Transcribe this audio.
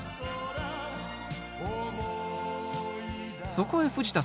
そこへ藤田さん